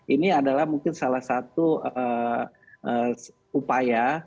ini adalah mungkin salah satu upaya